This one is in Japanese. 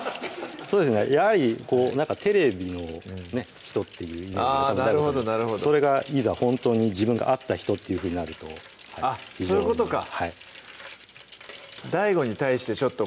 そうですねやはりこうテレビの人っていうイメージでそれがいざほんとに自分が会った人っていうふうになると非常にそういうことかＤＡＩＧＯに対してちょっと